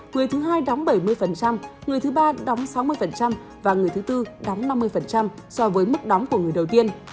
người thứ hai đóng bảy mươi người thứ ba đóng sáu mươi và người thứ tư đóng năm mươi so với mức đóng của người đầu tiên